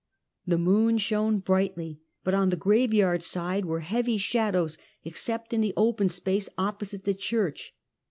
The moon shone brightly, but on the graveyard side were heavy shadows, except in the open space opposite the church.